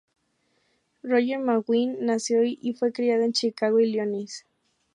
Roger McGuinn nació y fue criado en Chicago, Illinois.